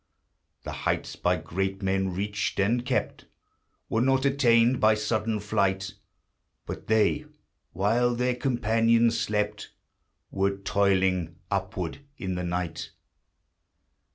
The heights by great men reached and kept Were not attained by sudden flight, But they, while their companions slept, Were toiling upward in the night.